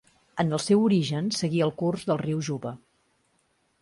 En el seu origen seguia el curs del riu Juba.